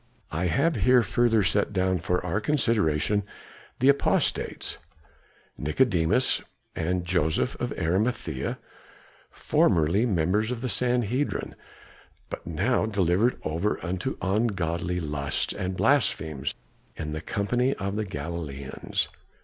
I have here further set down for your consideration the apostates, Nicodemus and Joseph of Arimathæa, formerly members of the Sanhedrim, but now delivered over unto ungodly lusts and blasphemies in the company of the Galileans.